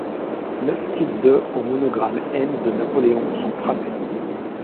Neuf types de au monogramme N de Napoléon sont frappées.